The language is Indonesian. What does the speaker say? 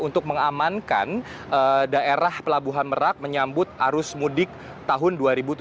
untuk mengamankan daerah pelabuhan merak menyambut arus mudik tahun dua ribu tujuh belas